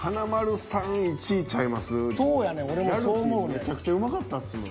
めちゃくちゃうまかったっすもん。